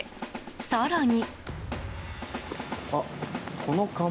更に。